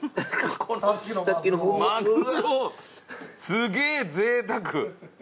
すげぇぜいたく！